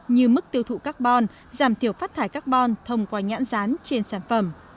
như mức tiêu thụ carbon giảm thiểu phát thải carbon thông qua nhãn rán trên sản phẩm